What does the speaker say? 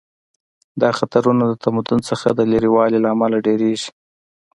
دا خطرونه د تمدن څخه د لرې والي له امله ډیریږي